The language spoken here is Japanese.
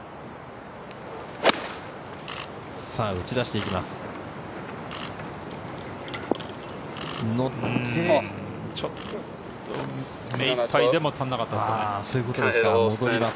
さぁ、打ちだしていきます。